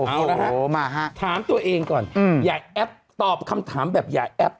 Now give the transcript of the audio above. เอาละฮะถามตัวเองก่อนอย่าแอปตอบคำถามแบบอย่าแอป